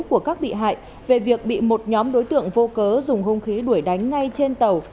của các bị hại về việc bị một nhóm đối tượng vô cớ dùng hung khí đuổi đánh ngay trên tàu